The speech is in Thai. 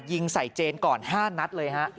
ยิงใส่เจนก่อน๕นัดเลยฮะ